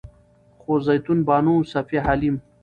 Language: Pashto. خو زيتون بانو، صفيه حليم